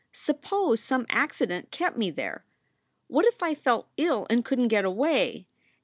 Suppose some accident kept me there. What if I fell ill and couldn t get away?